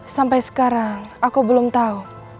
sampai sekarang aku belum tahu